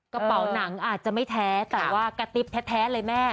กระเป๋าหนังอาจจะไม่แท้แต่ว่ากระติ๊บแท้เลยแม่